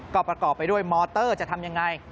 ก็ประกอบไปด้วยมอเตอร์จะทำยังไง